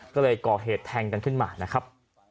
ก็เลยก่อเหตุแทงกันขึ้นมานะครับ